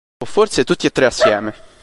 O forse tutti e tre assieme".